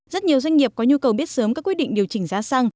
rất nhiều doanh nghiệp có nhu cầu biết sớm các quyết định điều chỉnh giá xăng